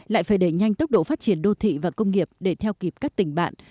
lại phải đẩy nhanh tốc độ phát triển đô thị và công nghiệp để theo kịp các tỉnh bạn